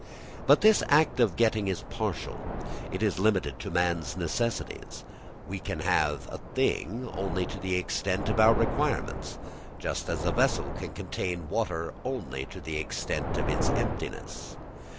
But this act of getting is partial. It is limited to man's necessities. We can have a thing only to the extent of our requirements, just as a vessel can contain water only to the extent of its emptiness.